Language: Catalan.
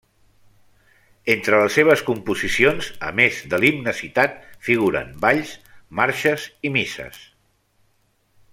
Entre les seves composicions, a més de l'himne citat, figuren balls, marxes i misses.